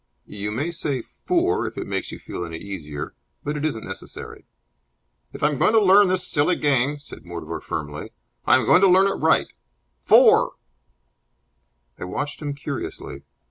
"You may say 'Fore!' if it makes you feel any easier. But it isn't necessary." "If I am going to learn this silly game," said Mortimer, firmly, "I am going to learn it right. Fore!" I watched him curiously.